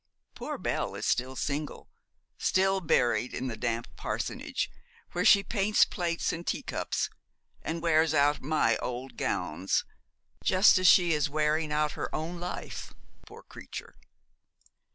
Poor Belle is still single, still buried in the damp parsonage, where she paints plates and teacups, and wears out my old gowns, just as she is wearing out her own life, poor creature!'